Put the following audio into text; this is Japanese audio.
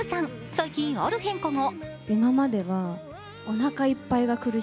最近、ある変化が。